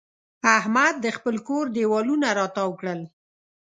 احمد د خپل کور دېوالونه را تاوو کړل.